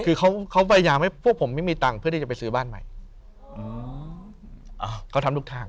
คือเขาเขาพยายามให้พวกผมไม่มีตังค์เพื่อที่จะไปซื้อบ้านใหม่อืมอ่าเขาทำทุกทาง